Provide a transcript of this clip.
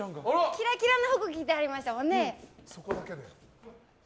キラキラの服着てはりましたもんね。